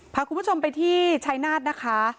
พาคุณผู้ชมไปที่ชายนาฏนะคะ